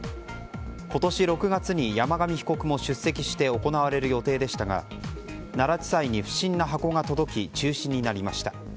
今年６月に山上被告も出席して行われる予定でしたが奈良地裁に不審な箱が届き中止になりました。